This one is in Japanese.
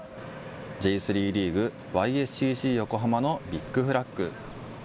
Ｊ３リーグ・ＹＳＣＣ横浜のビッグフラッグ。